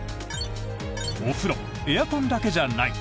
お風呂、エアコンだけじゃない！